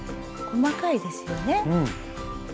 細かいですよね。